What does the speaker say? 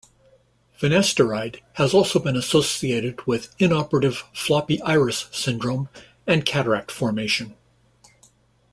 Finasteride has also been associated with intraoperative floppy iris syndrome and cataract formation.